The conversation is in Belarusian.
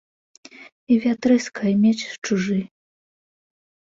І вятрыска, і меч чужы.